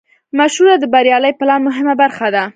مشوره د بریالي پلان مهمه برخه ده.